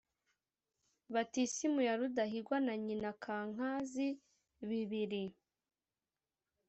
batisimu ya Rudahigwa na Nyina Kankazi ( bibiri),